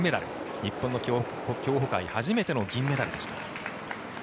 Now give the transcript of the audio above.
日本の競歩界初めての銀メダルでした。